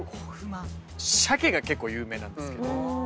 サケが結構有名なんですけど。